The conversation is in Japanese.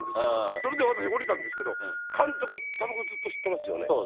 それで僕、降りたんですけど、監督、たばこずっと吸ってますよね。